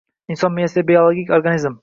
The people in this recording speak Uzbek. Inson miyasida biologik organizm